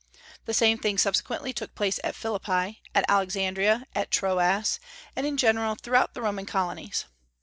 The same thing subsequently took place at Philippi, at Alexandria, at Troas, and in general throughout the Roman colonies.